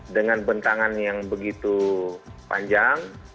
dengan bentangan yang begitu panjang